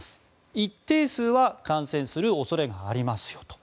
一定数は感染する恐れがありますよと。